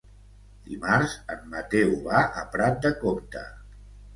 Dimarts en Mateu va a Prat de Comte.